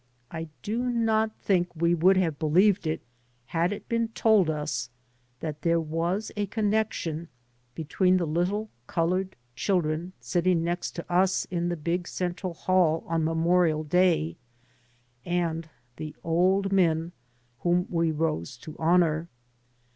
I do not think we would have believed it had it been told us that there was a connection between the little coloured children sitting next to us in the big central hall on Memorial Day, and the old men whom we rose to honour.